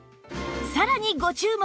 さらにご注目